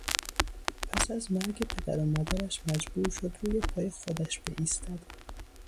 پس از مرگ پدر و مادرش مجبور شد روی پای خودش بایستد.